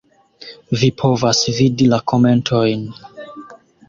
Vi povas vidi la komentojn.